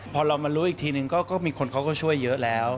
พอเรามารู้อีกทีนึงก็มีคนเขาก็ช่วยเยอะแล้ว